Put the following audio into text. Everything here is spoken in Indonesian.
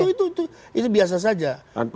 itu biasa saja